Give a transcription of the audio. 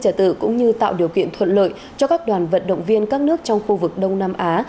trả tự cũng như tạo điều kiện thuận lợi cho các đoàn vận động viên các nước trong khu vực đông nam á